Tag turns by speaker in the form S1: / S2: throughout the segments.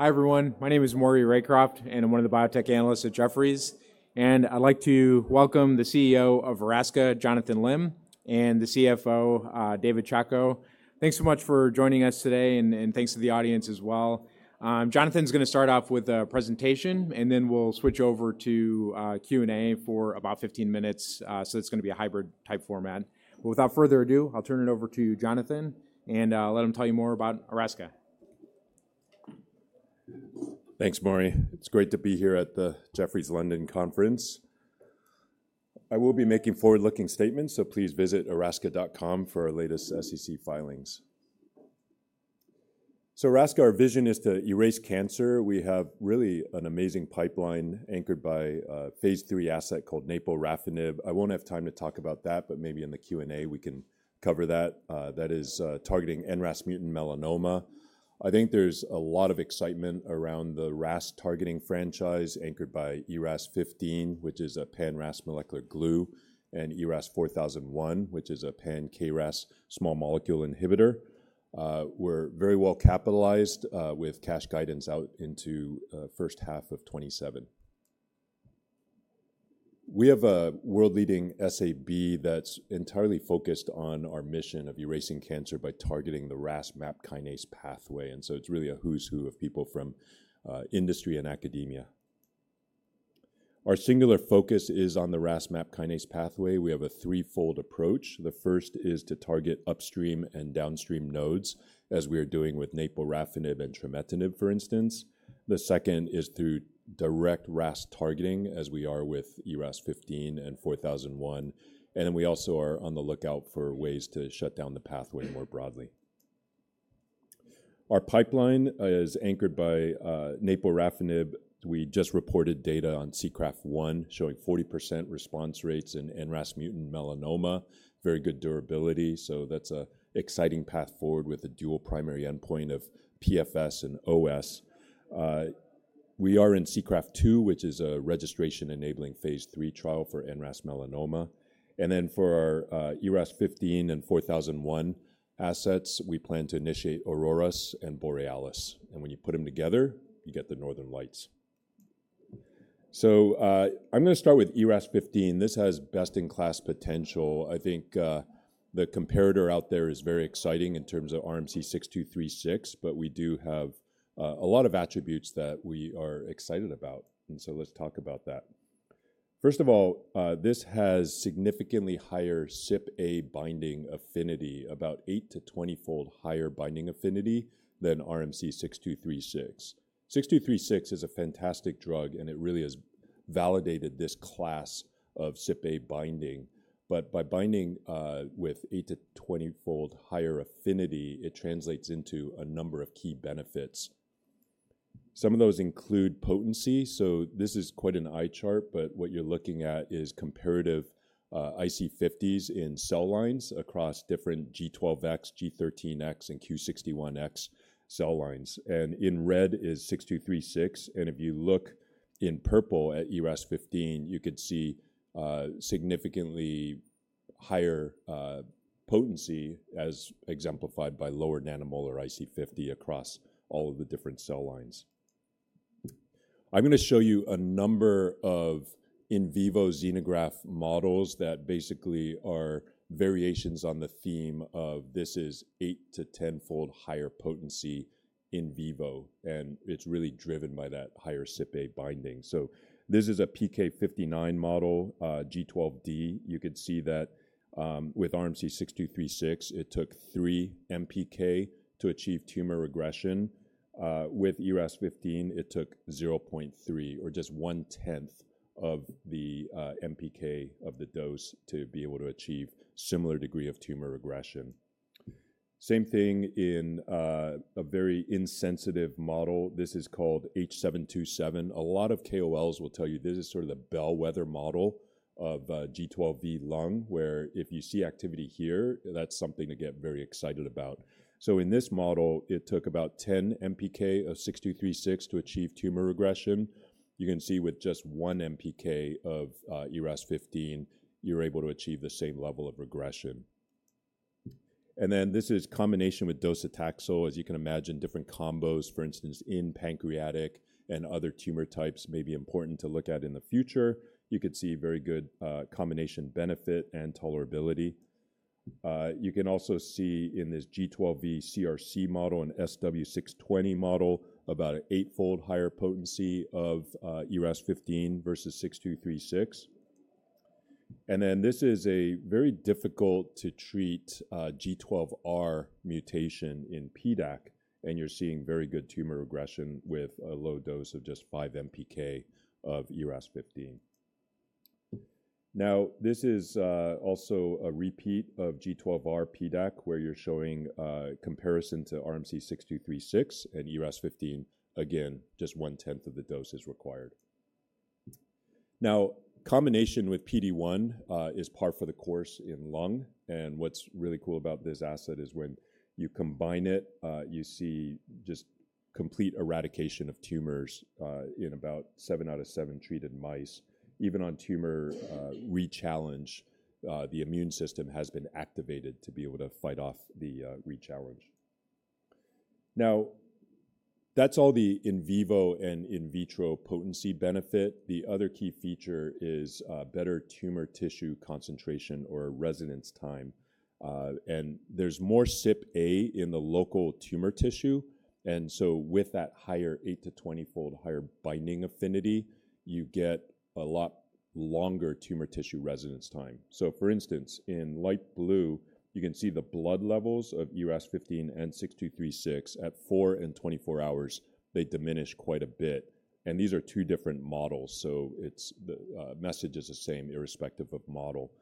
S1: Hi, everyone. My name is Maury Raycroft, and I'm one of the biotech analysts at Jefferies. And I'd like to welcome the CEO of Erasca, Jonathan Lim, and the CFO, David Chacko. Thanks so much for joining us today, and thanks to the audience as well. Jonathan's going to start off with a presentation, and then we'll switch over to Q&A for about 15 minutes. So it's going to be a hybrid-type format. But without further ado, I'll turn it over to Jonathan and let him tell you more about Erasca.
S2: Thanks, Maury. It's great to be here at the Jefferies London Conference. I will be making forward-looking statements, so please visit erasca.com for our latest SEC filings. So Erasca, our vision is to erase cancer. We have really an amazing pipeline anchored by a phase 3 asset called naporafenib. I won't have time to talk about that, but maybe in the Q&A we can cover that. That is targeting NRAS mutant melanoma. I think there's a lot of excitement around the RAS targeting franchise anchored by ERAS-15, which is a pan-RAS molecular glue, and ERAS-4001, which is a pan-KRAS small molecule inhibitor. We're very well capitalized with cash guidance out into the first half of 2027. We have a world-leading SAB that's entirely focused on our mission of erasing cancer by targeting the RAS-MAPK pathway. And so it's really a who's who of people from industry and academia. Our singular focus is on the RAS-MAPK pathway. We have a threefold approach. The first is to target upstream and downstream nodes, as we are doing with naporafenib and trametinib, for instance. The second is through direct RAS targeting, as we are with ERAS-15 and 4001. And then we also are on the lookout for ways to shut down the pathway more broadly. Our pipeline is anchored by naporafenib. We just reported data on SEACRAF1 showing 40% response rates in NRAS mutant melanoma, very good durability. So that's an exciting path forward with a dual primary endpoint of PFS and OS. We are in SEACRAF2, which is a registration-enabling phase III trial for NRAS melanoma. And then for our ERAS-15 and 4001 assets, we plan to initiate AURORAS and BOREALIS. And when you put them together, you get the Northern Lights. So I'm going to start with ERAS-15. This has best-in-class potential. I think the comparator out there is very exciting in terms of RMC-6236, but we do have a lot of attributes that we are excited about. And so let's talk about that. First of all, this has significantly higher CYPA binding affinity, about 8-20-fold higher binding affinity than RMC-6236. RMC-6236 is a fantastic drug, and it really has validated this class of CYPA binding. But by binding with 8- to 20-fold higher affinity, it translates into a number of key benefits. Some of those include potency. So this is quite an eye chart, but what you're looking at is comparative IC50s in cell lines across different G12X, G13X, and Q61X cell lines. And in red is RMC-6236. And if you look in purple at ERAS-15, you could see significantly higher potency, as exemplified by lower nanomolar IC50 across all of the different cell lines. I'm going to show you a number of in vivo xenograft models that basically are variations on the theme of, this is eight- to 10-fold higher potency in vivo, and it's really driven by that higher CYPA binding, so this is a PK59 model, G12D. You could see that with RMC6236, it took three MPK to achieve tumor regression. With ERAS-15, it took 0.3 or just 1/10 of the MPK of the dose to be able to achieve a similar degree of tumor regression. Same thing in a very insensitive model. This is called H727. A lot of KOLs will tell you this is sort of the bellwether model of G12V lung, where if you see activity here, that's something to get very excited about, so in this model, it took about 10 MPK of RMC-6236 to achieve tumor regression. You can see with just one MPK of ERAS-15, you're able to achieve the same level of regression. And then this is combination with docetaxel. As you can imagine, different combos, for instance, in pancreatic and other tumor types may be important to look at in the future. You could see very good combination benefit and tolerability. You can also see in this G12V CRC model and SW620 model about an eight-fold higher potency of ERAS-15 versus RMC-6236. And then this is a very difficult-to-treat G12R mutation in PDAC. And you're seeing very good tumor regression with a low dose of just five MPK of ERAS-15. Now, this is also a repeat of G12R PDAC, where you're showing comparison to RMC6236 and ERAS-15. Again, just 1/10 of the dose is required. Now, combination with PD-1 is par for the course in lung. What's really cool about this asset is when you combine it, you see just complete eradication of tumors in about seven out of seven treated mice. Even on tumor re-challenge, the immune system has been activated to be able to fight off the re-challenge. Now, that's all the in vivo and in vitro potency benefit. The other key feature is better tumor tissue concentration or residence time. There's more CYPA in the local tumor tissue. With that higher 8-20-fold higher binding affinity, you get a lot longer tumor tissue residence time. For instance, in light blue, you can see the blood levels of ERAS-15 and CYPA6236 at 4 and 24 hours. They diminish quite a bit. These are two different models. The message is the same irrespective of model.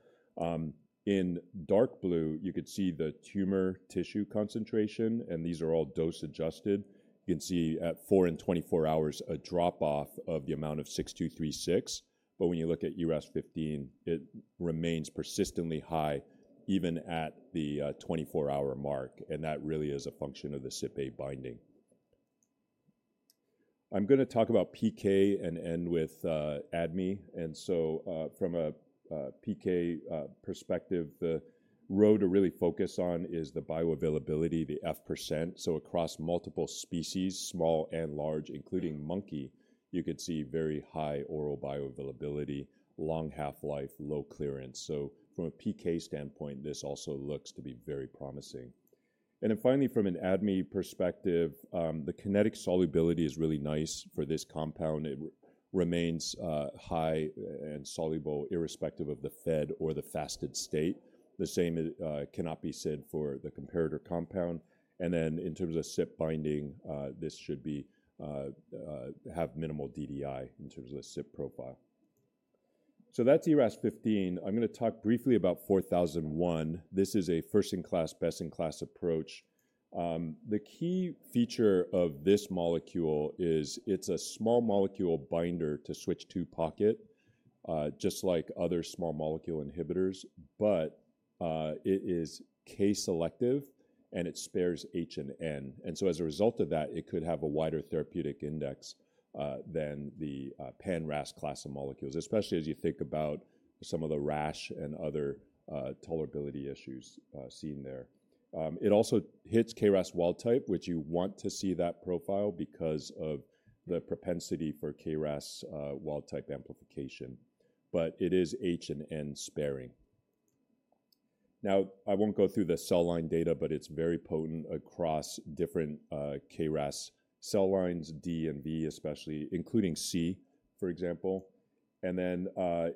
S2: In dark blue, you could see the tumor tissue concentration. These are all dose-adjusted. You can see at 4 and 24 hours a drop-off of the amount of CYPA6236. When you look at ERAS-15, it remains persistently high even at the 24-hour mark. That really is a function of the CYPA binding. I'm going to talk about PK and end with ADME. From a PK perspective, the readout to really focus on is the bioavailability, the F%. Across multiple species, small and large, including monkey, you could see very high oral bioavailability, long half-life, low clearance. From a PK standpoint, this also looks to be very promising. Finally, from an ADME perspective, the kinetic solubility is really nice for this compound. It remains high and soluble irrespective of the fed or the fasted state. The same cannot be said for the comparator compound. And then in terms of CYPA binding, this should have minimal DDI in terms of the CYPA profile. So that's ERAS-15. I'm going to talk briefly about 4001. This is a first-in-class, best-in-class approach. The key feature of this molecule is it's a small molecule binder to Switch II pocket, just like other small molecule inhibitors. But it is K-selective, and it spares H and N. And so as a result of that, it could have a wider therapeutic index than the pan-RAS class of molecules, especially as you think about some of the rash and other tolerability issues seen there. It also hits KRAS wild type, which you want to see that profile because of the propensity for KRAS wild type amplification. But it is H and N sparing. Now, I won't go through the cell line data, but it's very potent across different KRAS cell lines, D and V especially, including C, for example. And then,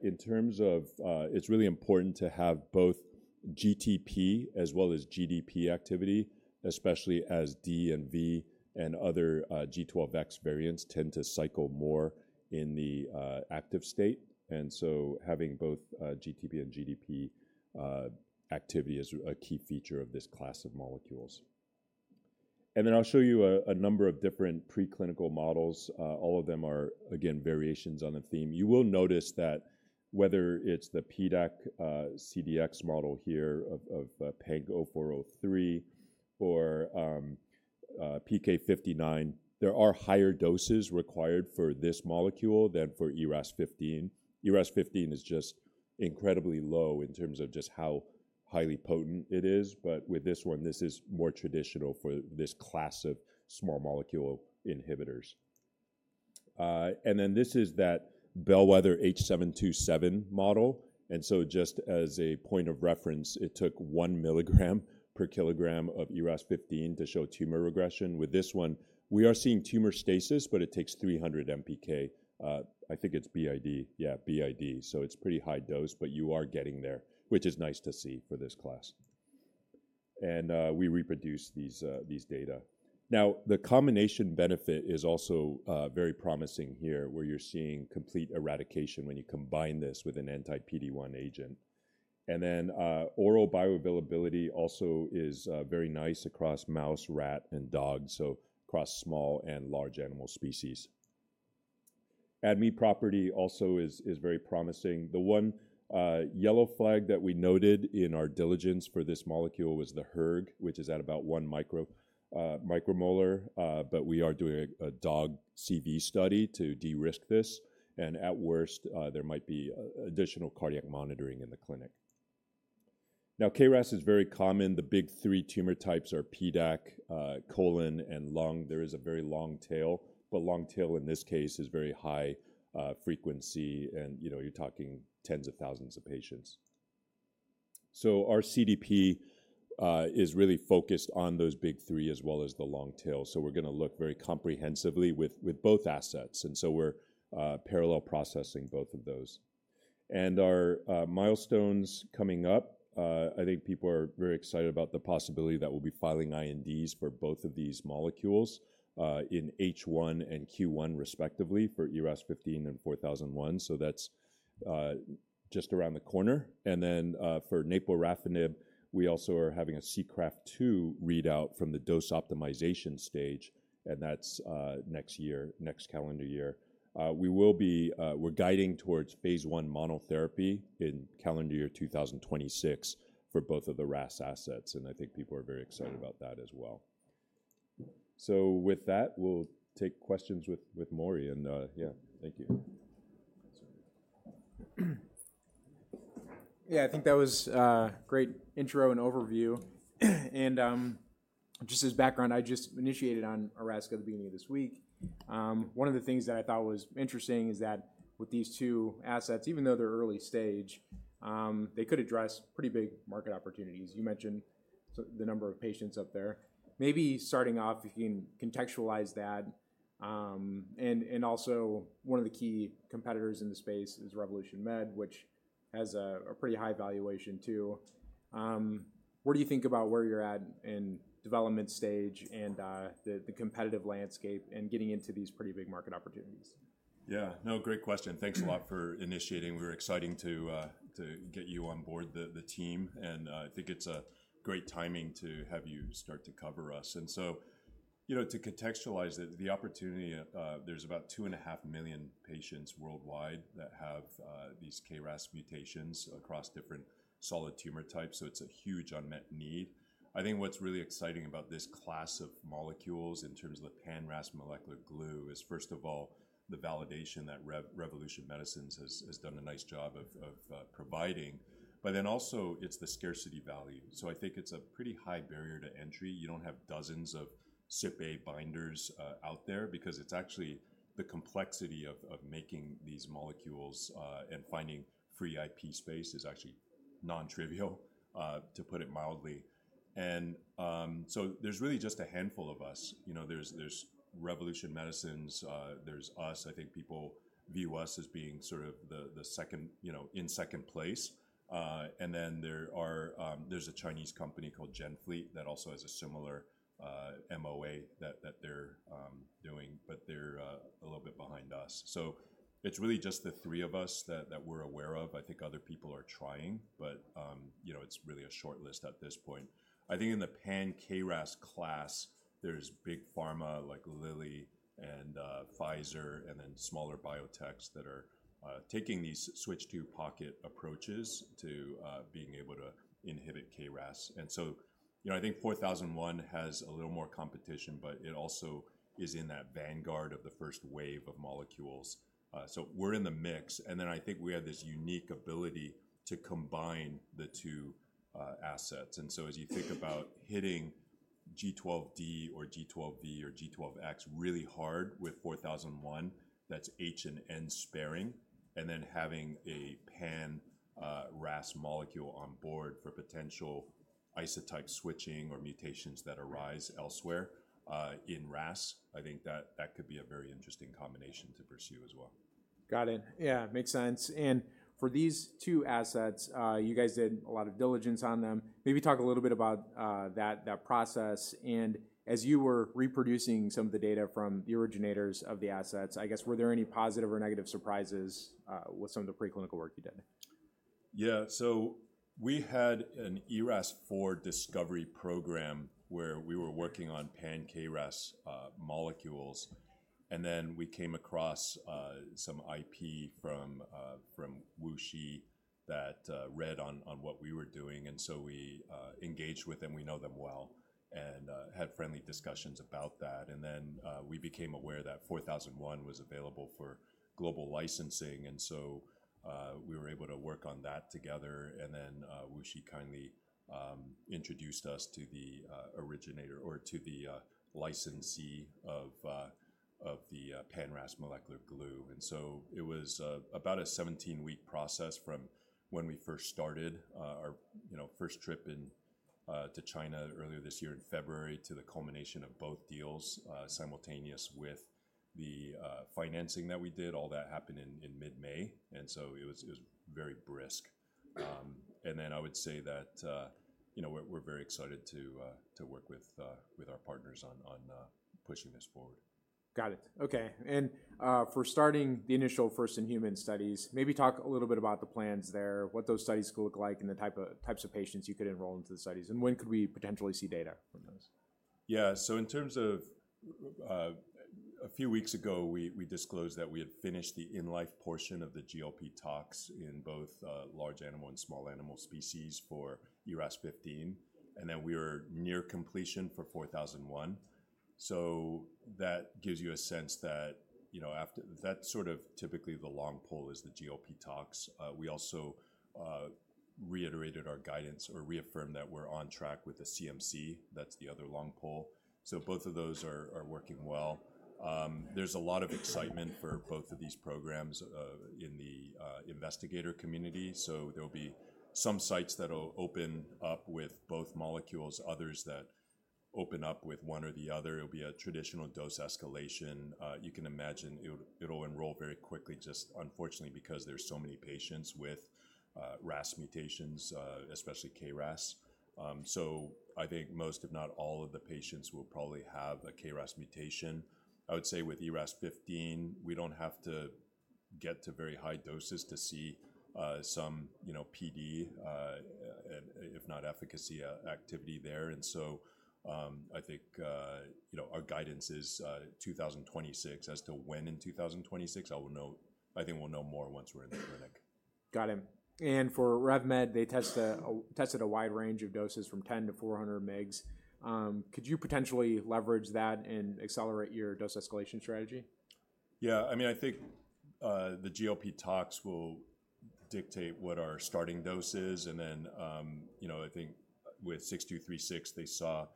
S2: in terms of, it's really important to have both GTP as well as GDP activity, especially as D and V and other G12X variants tend to cycle more in the active state. And so having both GTP and GDP activity is a key feature of this class of molecules. And then I'll show you a number of different preclinical models. All of them are, again, variations on the theme. You will notice that whether it's the PDAC CDX model here of Panc 04.03 or PK59, there are higher doses required for this molecule than for ERAS-15. ERAS-15 is just incredibly low in terms of just how highly potent it is. But with this one, this is more traditional for this class of small molecule inhibitors. And then this is that bellwether H727 model. And so just as a point of reference, it took one milligram per kilogram of ERAS-15 to show tumor regression. With this one, we are seeing tumor stasis, but it takes 300 MPK. I think it's BID, yeah, BID. So it's pretty high dose, but you are getting there, which is nice to see for this class. And we reproduce these data. Now, the combination benefit is also very promising here, where you're seeing complete eradication when you combine this with an Anti-PD-1 agent. And then oral bioavailability also is very nice across mouse, rat, and dog, so across small and large animal species. ADME property also is very promising. The one yellow flag that we noted in our diligence for this molecule was the hERG, which is at about one micromolar. But we are doing a dog CV study to de-risk this. And at worst, there might be additional cardiac monitoring in the clinic. Now, KRAS is very common. The big three tumor types are PDAC, colon, and lung. There is a very long tail. But long tail in this case is very high frequency. And you're talking tens of thousands of patients. So our CDP is really focused on those big three as well as the long tail. So we're going to look very comprehensively with both assets. And so we're parallel processing both of those. Our milestones coming up, I think people are very excited about the possibility that we'll be filing INDs for both of these molecules in H1 and Q1 respectively for ERAS-15 and 4001. So that's just around the corner. Then for naporafenib, we also are having a SEACRAFT-2 readout from the dose optimization stage. That's next year, next calendar year. We will be guiding towards phase one monotherapy in calendar year 2026 for both of the RAS assets. I think people are very excited about that as well. So with that, we'll take questions with Maury. Yeah, thank you.
S1: I think that was a great intro and overview. Just as background, I just initiated on Erasca at the beginning of this week. One of the things that I thought was interesting is that with these two assets, even though they're early stage, they could address pretty big market opportunities. You mentioned the number of patients up there. Maybe starting off, if you can contextualize that, and also one of the key competitors in the space is Revolution Med, which has a pretty high valuation too. What do you think about where you're at in development stage and the competitive landscape and getting into these pretty big market opportunities?
S2: Yeah, no, great question. Thanks a lot for initiating. We were excited to get you on board the team, and I think it's great timing to have you start to cover us, and so to contextualize it, the opportunity, there's about 2.5 million patients worldwide that have these KRAS mutations across different solid tumor types. So it's a huge unmet need. I think what's really exciting about this class of molecules in terms of the pan-RAS molecular glue is, first of all, the validation that Revolution Medicines has done a nice job of providing, but then also, it's the scarcity value. So I think it's a pretty high barrier to entry. You don't have dozens of CYPA binders out there because it's actually the complexity of making these molecules and finding free IP space is actually non-trivial, to put it mildly, and so there's really just a handful of us. There's Revolution Medicines. There's us. I think people view us as being sort of the second in second place, and then there's a Chinese company called GenFleet that also has a similar MOA that they're doing, but they're a little bit behind us, so it's really just the three of us that we're aware of. I think other people are trying, but it's really a short list at this point. I think in the pan-KRAS class, there's big pharma like Lilly and Pfizer and then smaller biotechs that are taking these switch II pocket approaches to being able to inhibit KRAS, and so I think 4001 has a little more competition, but it also is in that vanguard of the first wave of molecules, so we're in the mix, and then I think we have this unique ability to combine the two assets. And so as you think about hitting G12D or G12V or G12X really hard with 4001, that's H and N sparing, and then having a pan-RAS molecule on board for potential isotype switching or mutations that arise elsewhere in RAS, I think that could be a very interesting combination to pursue as well.
S1: Got it. Yeah, makes sense. And for these two assets, you guys did a lot of diligence on them. Maybe talk a little bit about that process. And as you were reproducing some of the data from the originators of the assets, I guess, were there any positive or negative surprises with some of the preclinical work you did?
S2: Yeah, so we had an ERAS-4001 discovery program where we were working on pan-KRAS molecules. And then we came across some IP from WuXi that read on what we were doing. And so we engaged with them. We know them well and had friendly discussions about that. And then we became aware that 4001 was available for global licensing. And so we were able to work on that together. And then WuXi kindly introduced us to the originator or to the licensee of the pan-RAS molecular glue. And so it was about a 17-week process from when we first started our first trip to China earlier this year in February to the culmination of both deals simultaneous with the financing that we did. All that happened in mid-May. And so it was very brisk. And then I would say that we're very excited to work with our partners on pushing this forward.
S1: Got it. OK. And for starting the initial first-in-human studies, maybe talk a little bit about the plans there, what those studies could look like, and the types of patients you could enroll into the studies. And when could we potentially see data from those?
S2: Yeah, so in terms of a few weeks ago, we disclosed that we had finished the in-life portion of the GLP tox in both large animal and small animal species for ERAS-15. And then we were near completion for 4001. So that gives you a sense that that's sort of typically the long pole is the GLP tox. We also reiterated our guidance or reaffirmed that we're on track with the CMC. That's the other long pole. So both of those are working well. There's a lot of excitement for both of these programs in the investigator community. So there will be some sites that will open up with both molecules, others that open up with one or the other. It'll be a traditional dose escalation. You can imagine it'll enroll very quickly, just unfortunately because there's so many patients with RAS mutations, especially KRAS. So I think most, if not all, of the patients will probably have a KRAS mutation. I would say with ERAS-15, we don't have to get to very high doses to see some PD, if not efficacy activity there. And so I think our guidance is 2026. As to when in 2026, I think we'll know more once we're in the clinic.
S1: Got it and for RevMed, they tested a wide range of doses from 10 to 400 mgs. Could you potentially leverage that and accelerate your dose escalation strategy?
S2: Yeah, I mean, I think the GLP talks will dictate what our starting dose is. And then I think with 6236, they saw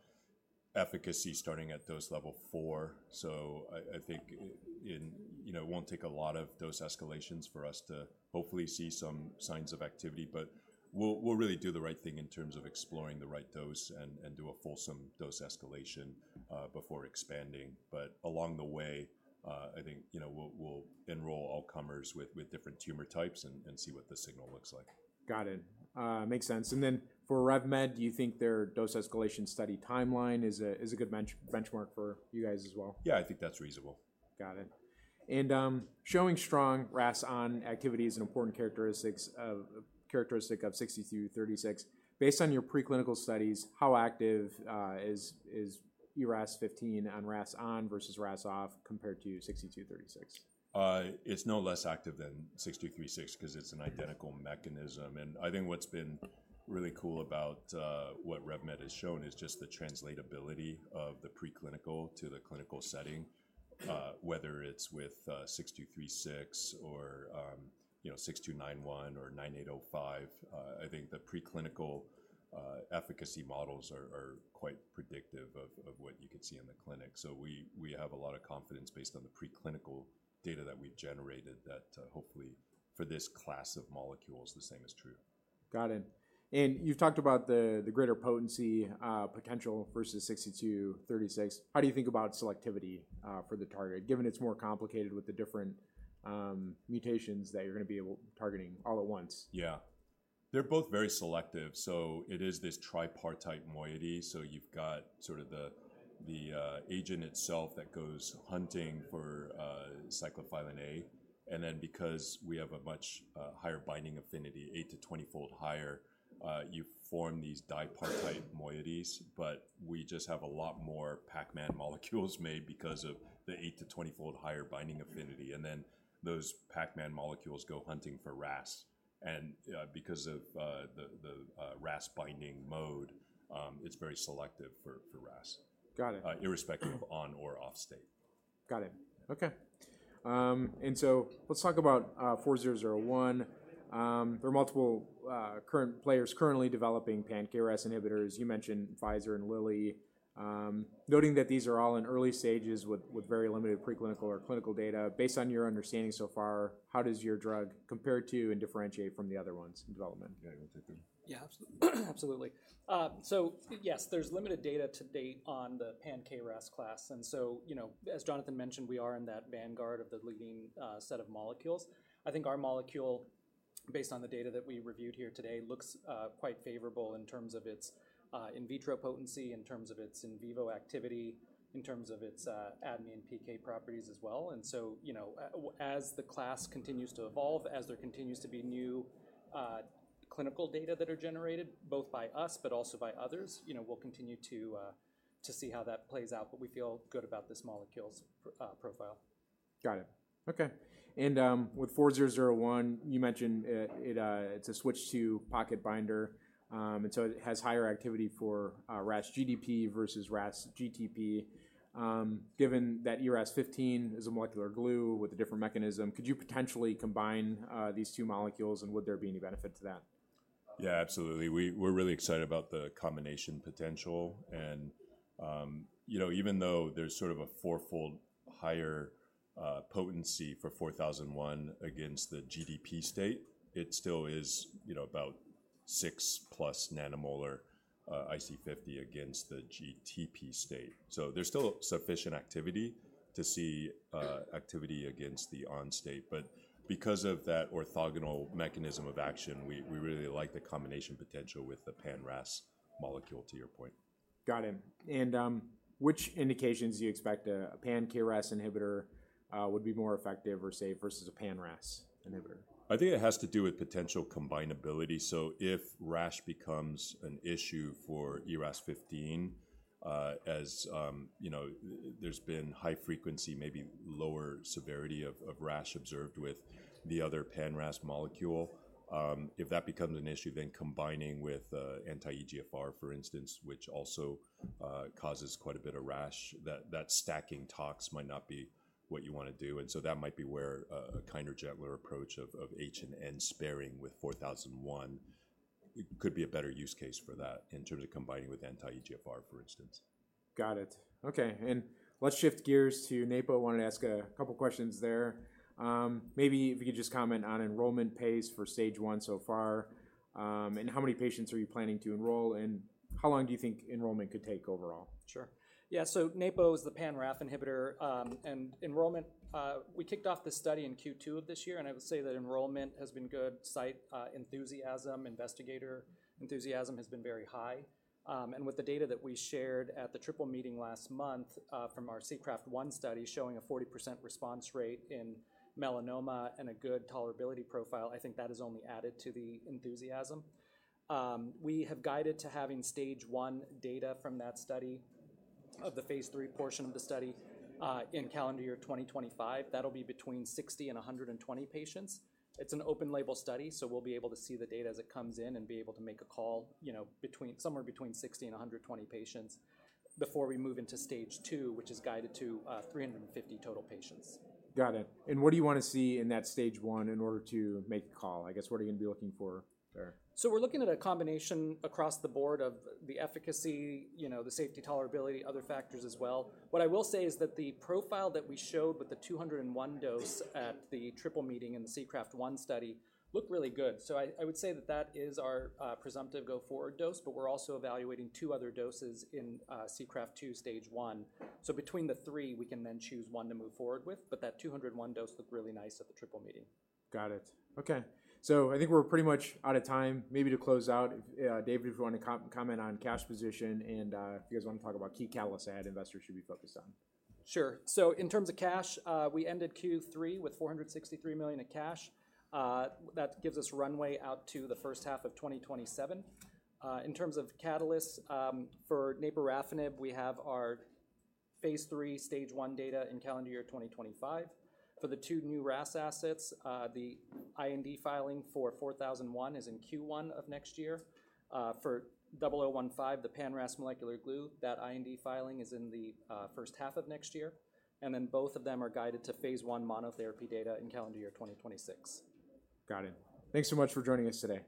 S2: efficacy starting at dose level four. So I think it won't take a lot of dose escalations for us to hopefully see some signs of activity. But we'll really do the right thing in terms of exploring the right dose and do a fulsome dose escalation before expanding. But along the way, I think we'll enroll all comers with different tumor types and see what the signal looks like.
S1: Got it. Makes sense. And then for RevMed, do you think their dose escalation study timeline is a good benchmark for you guys as well?
S2: Yeah, I think that's reasonable.
S1: Got it. And showing strong RAS-on activity is an important characteristic of 6236. Based on your preclinical studies, how active is ERAS-15 on RAS-on versus RAS-off compared to 6236?
S2: It's no less active than 6236 because it's an identical mechanism, and I think what's been really cool about what RevMed has shown is just the translatability of the preclinical to the clinical setting, whether it's with 6236 or 6291 or 9805. I think the preclinical efficacy models are quite predictive of what you could see in the clinic, so we have a lot of confidence based on the preclinical data that we've generated that hopefully for this class of molecules, the same is true.
S1: Got it. And you've talked about the greater potency potential versus 6236. How do you think about selectivity for the target, given it's more complicated with the different mutations that you're going to be targeting all at once?
S2: Yeah, they're both very selective. So it is this tripartite moiety. So you've got sort of the agent itself that goes hunting for Cyclophilin A. And then because we have a much higher binding affinity, 8- to 20-fold higher, you form these dipartite moieties. But we just have a lot more Pacman molecules made because of the 8- to 20-fold higher binding affinity. And then those Pacman molecules go hunting for RAS. And because of the RAS-binding mode, it's very selective for RAS, irrespective of on or off state.
S1: Got it. OK. And so let's talk about 4001. There are multiple current players currently developing pan-KRAS inhibitors. You mentioned Pfizer and Lilly. Noting that these are all in early stages with very limited preclinical or clinical data, based on your understanding so far, how does your drug compare to and differentiate from the other ones in development?
S3: Yeah, I will take that.
S2: Yeah, absolutely.
S3: So yes, there's limited data to date on the pan-KRAS class. And so as Jonathan mentioned, we are in that vanguard of the leading set of molecules. I think our molecule, based on the data that we reviewed here today, looks quite favorable in terms of its in vitro potency, in terms of its in vivo activity, in terms of its ADME PK properties as well. And so as the class continues to evolve, as there continues to be new clinical data that are generated, both by us but also by others, we'll continue to see how that plays out. But we feel good about this molecule's profile. Got it. OK. And with 4001, you mentioned it's a switch II pocket binder. And so it has higher activity for RAS-GDP versus RAS-GTP.
S2: Given that ERAS-15 is a molecular glue with a different mechanism, could you potentially combine these two molecules? And would there be any benefit to that?
S3: Yeah, absolutely. We're really excited about the combination potential. And even though there's sort of a four-fold higher potency for 4001 against the GDP state, it still is about 6 plus nanomolar IC50 against the GTP state. So there's still sufficient activity to see activity against the on state. But because of that orthogonal mechanism of action, we really like the combination potential with the pan-RAS molecule, to your point.
S1: Got it. And which indications do you expect a pan-KRAS inhibitor would be more effective or safe versus a pan-RAS inhibitor?
S3: I think it has to do with potential combinability. So if RAS becomes an issue for ERAS-15, as there's been high frequency, maybe lower severity of RAS observed with the other pan-RAS molecule, if that becomes an issue, then combining with anti-EGFR, for instance, which also causes quite a bit of RAS, that stacking talks might not be what you want to do. And so that might be where a kinder, gentler approach of H and N sparing with 4001 could be a better use case for that in terms of combining with anti-EGFR, for instance.
S1: Got it. OK, and let's shift gears to naporafenib. I wanted to ask a couple of questions there. Maybe if you could just comment on enrollment pace for stage one so far, and how many patients are you planning to enroll? And how long do you think enrollment could take overall?
S3: Sure. Yeah, so naporafenib is the pan-RAF inhibitor. And enrollment, we kicked off the study in Q2 of this year. And I would say that enrollment has been good. Site enthusiasm, investigator enthusiasm has been very high. And with the data that we shared at the Triple eeting last month from our SEACRAFT-1 study showing a 40% response rate in melanoma and a good tolerability profile, I think that has only added to the enthusiasm. We have guided to having stage one data from that study of the phase 3 portion of the study in calendar year 2025. That'll be between 60 and 120 patients. It's an open label study. So we'll be able to see the data as it comes in and be able to make a call somewhere between 60 and 120 patients before we move into stage two, which is guided to 350 total patients.
S1: Got it. And what do you want to see in that stage one in order to make a call? I guess, what are you going to be looking for there?
S3: So we're looking at a combination across the board of the efficacy, the safety, tolerability, other factors as well. What I will say is that the profile that we showed with the 201 dose at the triple meeting in the SEACRAFT-1 study looked really good. So I would say that that is our presumptive go-forward dose. But we're also evaluating two other doses in SEACRAFT-2 stage one. So between the three, we can then choose one to move forward with. But that 201 dose looked really nice at the triple meeting.
S1: Got it. OK. So I think we're pretty much out of time. Maybe to close out, David, if you want to comment on cash position and if you guys want to talk about key catalysts that investors should be focused on.
S3: Sure. So in terms of cash, we ended Q3 with $463 million in cash. That gives us runway out to the first half of 2027. In terms of catalysts for naporafenib, we have our phase 3 stage 1 data in calendar year 2025. For the two new RAS assets, the IND filing for 4001 is in Q1 of next year. For 0015, the pan-RAS molecular glue, that IND filing is in the first half of next year. Then both of them are guided to phase one monotherapy data in calendar year 2026.
S1: Got it. Thanks so much for joining us today.